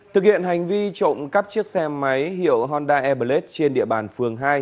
thực hiện hành vi trộm cắp chiếc xe máy hiệu honda airblade trên địa bàn phường hai